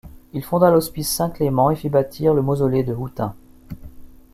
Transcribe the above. Il fonda l'Hospice Saint-Clément et fit bâtir le mausolée de Houtaing.